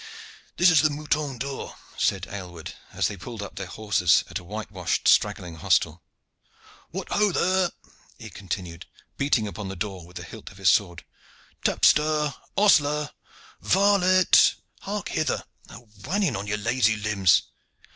"This is the 'Mouton d'Or,'" said Aylward, as they pulled up their horses at a whitewashed straggling hostel. "What ho there!" he continued, beating upon the door with the hilt of his sword. "Tapster, ostler, varlet, hark hither, and a wannion on your lazy limbs!